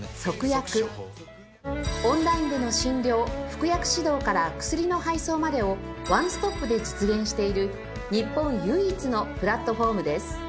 オンラインでの診療服薬指導から薬の配送までをワンストップで実現している日本唯一のプラットフォームです